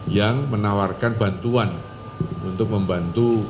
yang menawarkan bantuan untuk membantu